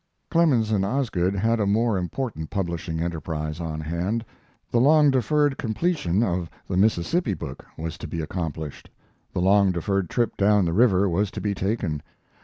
Clemens and Osgood had a more important publishing enterprise on hand. The long deferred completion of the Mississippi book was to be accomplished; the long deferred trip down the river was to be taken.